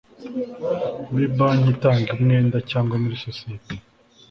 muri banki itanga umwenda cyangwa muri sosiyete